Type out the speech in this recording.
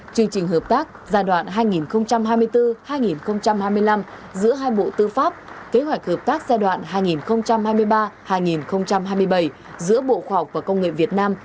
chương trình hợp tác giai đoạn hai nghìn hai mươi bốn hai nghìn hai mươi năm giữa hai bộ tư pháp kế hoạch hợp tác giai đoạn hai nghìn hai mươi ba hai nghìn hai mươi bảy giữa bộ khoa học và công nghệ việt nam